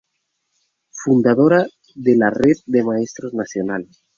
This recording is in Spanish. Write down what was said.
Fundadora de la Red de Maestros Nacional.